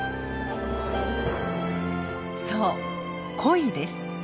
そうコイです。